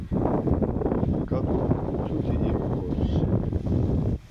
Ǩat̆uk mtui imxors.